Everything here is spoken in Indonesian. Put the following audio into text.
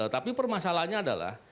tapi permasalahannya adalah